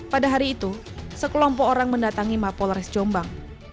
pada hari itu sekelompok orang mendatangi mapolres jombang